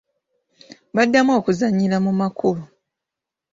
Baddamu okuzannyira mu makubo.